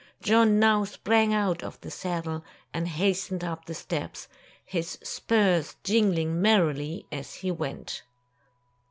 John now sprang out of the saddle, and hastened up the steps, his spurs jingling merrily as he went.